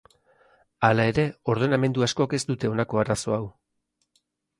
Hala ere ordenamendu askok ez dute honako arazo hau.